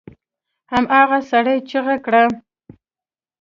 هماغه سړي چيغه کړه!